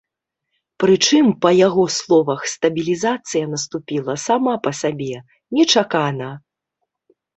Прычым, па яго словах, стабілізацыя наступіла сама па сабе, нечакана.